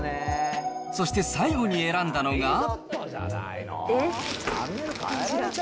そして最後に選んだのが。